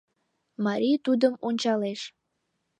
Мари тудым ончалеш